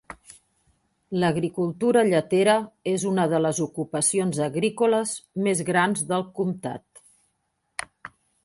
L'agricultura lletera és una de les ocupacions agrícoles més grans del comtat.